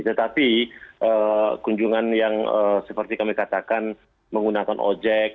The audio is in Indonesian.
tetapi kunjungan yang seperti kami katakan menggunakan ojek